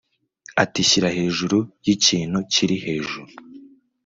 Ati Shyira hejuru yikintu kiri hejuru